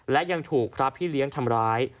และยังถูกพระพี่เลี้ยงทำร้าย